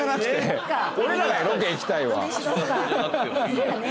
そやね。